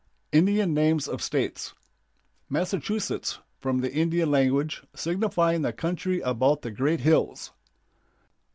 INDIAN NAMES OF STATES. Massachusetts, from the Indian language, signifying the "country about the great hills."